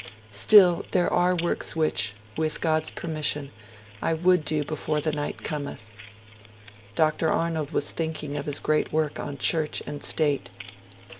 Still there are works which, with God's permission, I would do before the night cometh.' Dr. Arnold was thinking of his great work on Church and State.